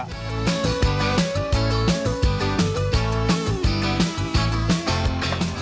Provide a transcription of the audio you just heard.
kedai mie selanjutnya masih berlokasi di serpongkong